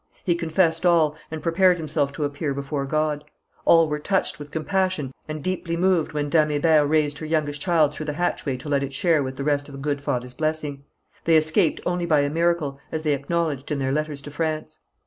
He confessed all, and prepared himself to appear before God. All were touched with compassion and deeply moved when Dame Hébert raised her youngest child through the hatchway to let it share with the rest the good father's blessing. They escaped only by a miracle, as they acknowledged in their letters to France.